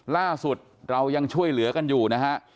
ล่าสุดเรายังช่วยเหลือกันอยู่นะฮะ